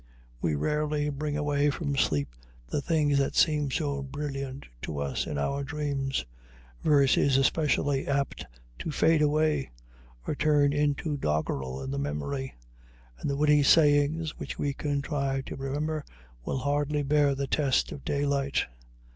We rarely bring away from sleep the things that seem so brilliant to us in our dreams. Verse is especially apt to fade away, or turn into doggerel in the memory, and the witty sayings which we contrive to remember will hardly bear the test of daylight.